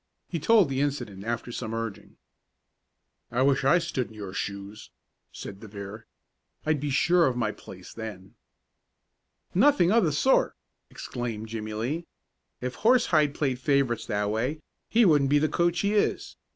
He told the incident after some urging. "I wish I stood in your shoes," said De Vere. "I'd be sure of my place then." "Nothing of the sort!" exclaimed Jimmie Lee. "If Horsehide played favorites that way, he wouldn't be the coach he is.